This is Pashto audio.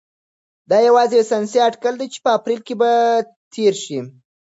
دا یوازې یو ساینسي اټکل دی چې په اپریل کې به تیره شي.